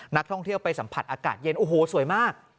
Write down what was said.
นักท่องเที่ยวไปสัมผัสอากาศเย็นโอ้โหสวยมาก